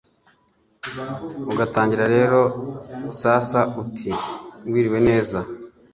Ugatangira rero sasa uti wiriwe neza